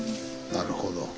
なるほど。